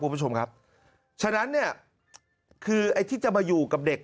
คุณผู้ชมครับฉะนั้นเนี่ยคือไอ้ที่จะมาอยู่กับเด็ก